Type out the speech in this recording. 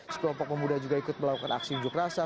sekelompok pemuda juga ikut melakukan aksi unjuk rasa